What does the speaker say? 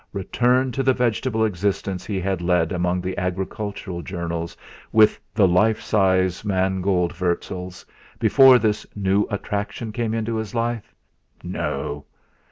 Return to the vegetable existence he had led among the agricultural journals with the life size mangold wurzels, before this new attraction came into his life no!